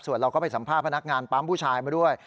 ส่วนเราก็ไปสัมภาษณ์พนักงานปั๊มผู้ชายมาด้วย